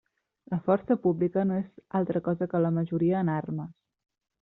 La força pública no és altra cosa que la majoria en armes.